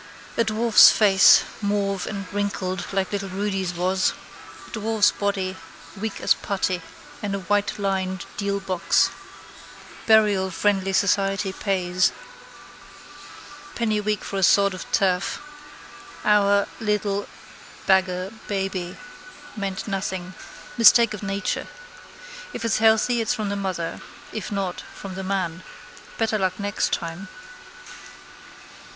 A dwarf's face, mauve and wrinkled like little Rudy's was. Dwarf's body, weak as putty, in a whitelined deal box. Burial friendly society pays. Penny a week for a sod of turf. Our. Little. Beggar. Baby. Meant nothing. Mistake of nature. If it's healthy it's from the mother. If not from the man. Better luck next time.